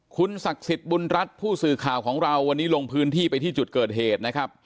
คุณศักดิ์สิทธิ์บุญรัฐผู้สื่อข่าวของเราวันนี้ลงพื้นที่ไปที่จุดเกิดเหตุนะครับ